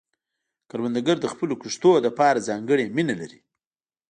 کروندګر د خپلو کښتونو لپاره ځانګړې مینه لري